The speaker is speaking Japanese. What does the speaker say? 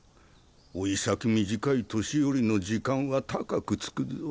老い先短い年寄りの時間は高くつくぞ。